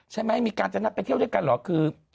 มีการจะนัดไปเที่ยวด้วยกันเหรอคือ